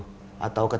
semoga bisa terwujud